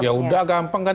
ya udah gampang kan